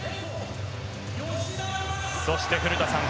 そして古田さん